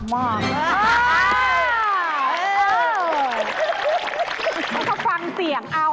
ต้องจะฟังเสียงเอ่อ